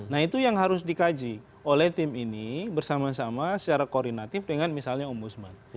nah itu yang harus dikaji oleh tim ini bersama sama secara koordinatif dengan misalnya ombudsman